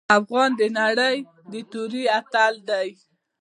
افغان د نرۍ توري اتل دی.